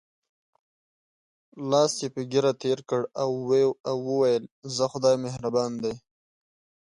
لاس یې په ږیره تېر کړ او وویل: ځه خدای مهربان دی.